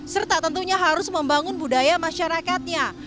serta tentunya harus membangun budaya masyarakatnya